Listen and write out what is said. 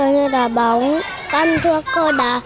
như đà bóng con thua cô đó